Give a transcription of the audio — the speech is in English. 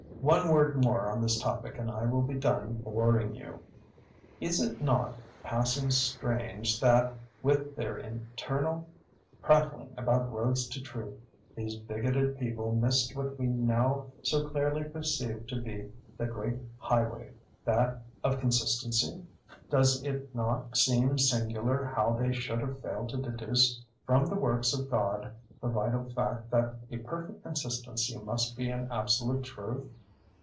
One word more on this topic and I will be done boring you. Is it not passing strange that, with their eternal prattling about roads to Truth, these bigoted people missed what we now so clearly perceive to be the great highway—that of Consistency? Does it not seem singular how they should have failed to deduce from the works of God the vital fact that a perfect consistency must be an absolute truth!